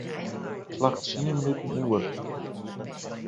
Slach tsien minuten oer.